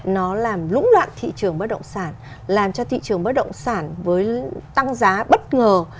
nó làm lũng loạn thị trường bất động sản làm cho thị trường bất động sản với tăng giá bất ngờ